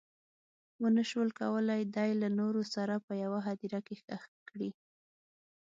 ونه شول کولی دی له نورو سره په یوه هدیره کې ښخ کړي.